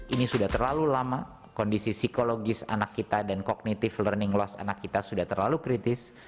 ini sudah terlalu lama kondisi psikologis anak kita dan kognitif learning loss anak kita sudah terlalu kritis